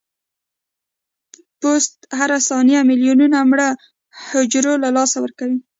پوست هره ثانیه ملیونونه مړه حجرو له لاسه ورکوي.